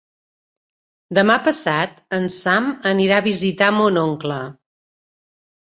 Demà passat en Sam anirà a visitar mon oncle.